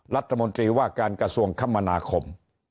รัฐมนตรีว่าการกระทรวงคมนาคม